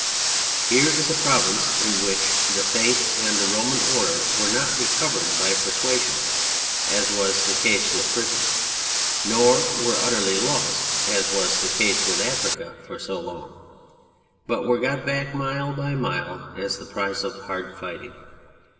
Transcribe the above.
Here is a province in which the Faith and the Roman Order were not recovered by persuasion (as was the case with Britain) nor were utterly lost (as was the case with Africa for so long) but were got back mile by mile as the prize of hard fighting.